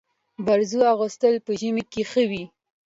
برزو اغوستل په ژمي کي ښه وي.